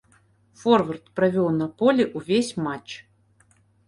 Форвард правёў на полі ўвесь матч.